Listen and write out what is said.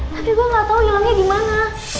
tapi gue gak tau ilangnya dimana